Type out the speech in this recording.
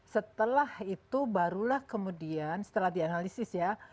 setelah itu barulah kemudian setelah dianalisis ya